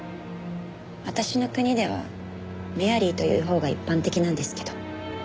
私の国ではメアリーというほうが一般的なんですけど。